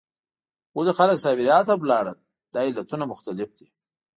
ولې خلک سابیریا ته لاړل؟ دا علتونه مختلف دي.